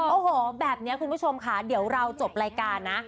โอ้โหแบบนี้คุณผู้ชมค่ะเดี๋ยวเราจบรายการนะ